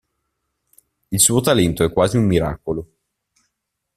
Il suo talento è quasi un miracolo.